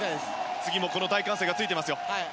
次もこの大歓声がついています。